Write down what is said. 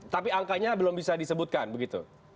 tapi angkanya belum bisa disebutkan begitu